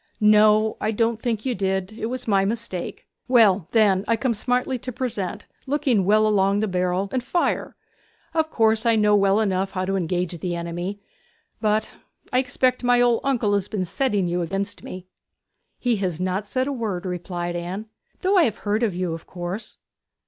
'No, I don't think you did; it was my mistake. Well, then I come smartly to Present, looking well along the barrel along the barrel and fire. Of course I know well enough how to engage the enemy! But I expect my old uncle has been setting you against me.' 'He has not said a word,' replied Anne; 'though I have heard of you, of course.'